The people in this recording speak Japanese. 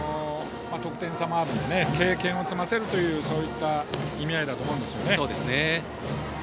得点差もあるので経験を積ませるという意味合いだと思いますね。